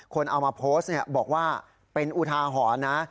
คนเอามาโพสต์บอกว่าเป็นอุทาหรณ์นะ